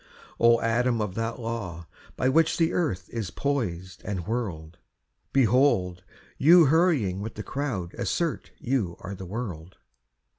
"O atom of that law, by which the earth Is poised and whirled; Behold! you hurrying with the crowd assert You are the world."